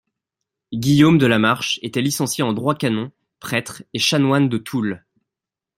Guillaume de la Marche était licencié en Droit Canon, Prêtre, et Chanoine de Toul.